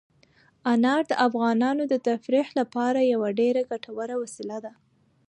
انار د افغانانو د تفریح لپاره یوه ډېره ګټوره وسیله ده.